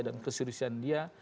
dan keseluruhan dia